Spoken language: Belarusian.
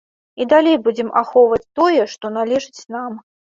І далей будзем ахоўваць тое, што належыць нам.